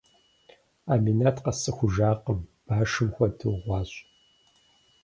Аминат къэсцӏыхужакъым, башым хуэдэу гъуащ.